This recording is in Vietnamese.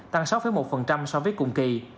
tăng sáu một so với cùng kỳ